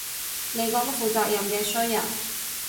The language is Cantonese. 你個不負責任嘅衰人